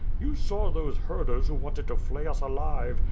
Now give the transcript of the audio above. You saw those herders who wanted to flay us alive?